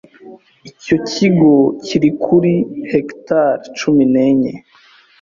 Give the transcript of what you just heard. Icyo kigo kiri kuri hegitari cumi nenye